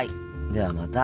ではまた。